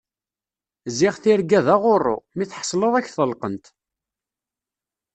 Ziɣ tirga d aɣuṛṛu, mi tḥeṣleḍ ad ak-ḍelqent.